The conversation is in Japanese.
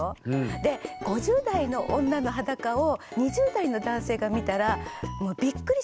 で５０代の女の裸を２０代の男性が見たらもうそうなの？